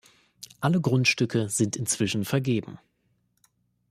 Alle Grundstücke sind inzwischen vergeben.